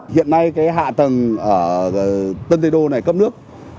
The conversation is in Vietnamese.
hiện nay cái hạ tầng ở tân tây đô này cấp nước